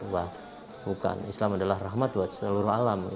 wah bukan islam adalah rahmat buat seluruh alam